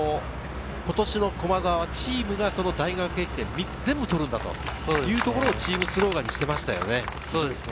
佃さん、今年の駒澤はチームが大学駅伝、３つ全部取るんだとチームスローガンにしていましたね。